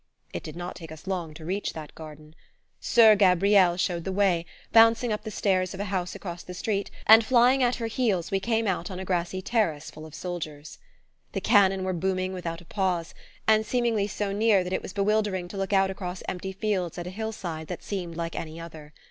It did not take us long to reach that garden! Soeur Gabrielle showed the way, bouncing up the stairs of a house across the street, and flying at her heels we came out on a grassy terrace full of soldiers. The cannon were booming without a pause, and seemingly so near that it was bewildering to look out across empty fields at a hillside that seemed like any other.